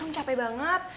rum capek banget